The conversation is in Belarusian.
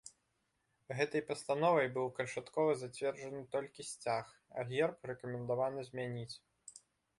Гэтай пастановай быў канчаткова зацверджаны толькі сцяг, а герб рэкамендавана змяніць.